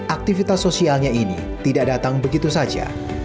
aktivitas sosialnya ini tidak datang begitu saja